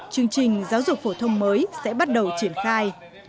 chương trình giáo dục phổ thông mới sẽ bắt đầu triển khai